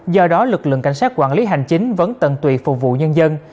do đó lực lượng cảnh sát quản lý hành chính vẫn tận tụy phục vụ nhân dân